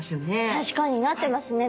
確かになってますね